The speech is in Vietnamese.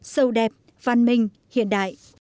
sâu đẹp văn minh hiện đại